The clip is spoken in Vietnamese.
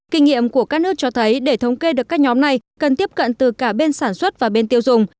kinh nghiệm của các nước cho thấy để thống kê được các nhóm này cần tiếp cận từ cả bên sản xuất và bên tiêu dùng